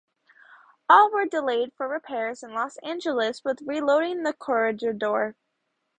All were delayed for repairs in Los Angeles with reloading for Corregidor.